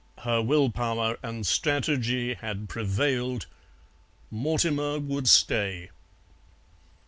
Her will power and strategy had prevailed; Mortimer would stay.